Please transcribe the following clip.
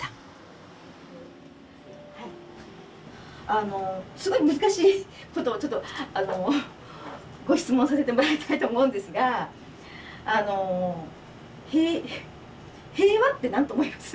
あのすごい難しいことをちょっとご質問させてもらいたいと思うんですがあの平和って何と思います？